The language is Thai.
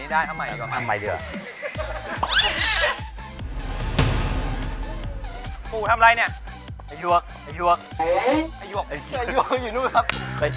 อีกทีก็ไม่มีความรู้สึกว่าข้าจะเป็นใคร